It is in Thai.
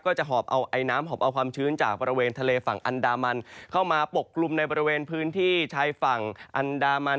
จะหอบเอาไอน้ำหอบเอาความชื้นจากบริเวณทะเลฝั่งอันดามันเข้ามาปกกลุ่มในบริเวณพื้นที่ชายฝั่งอันดามัน